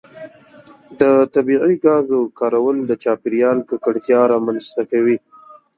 د طبیعي ګازو کارول د چاپیریال ککړتیا رامنځته کوي.